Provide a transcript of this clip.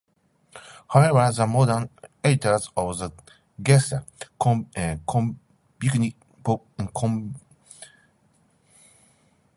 However, the modern editors of the "Gesta" convincingly rejected this attribution to Elmham.